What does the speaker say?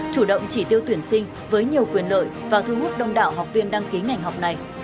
chủ động chỉ tiêu tuyển sinh với nhiều quyền lợi và thu hút đông đạo học viên đăng ký ngành học này